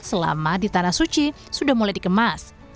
selama di tanah suci sudah mulai dikemas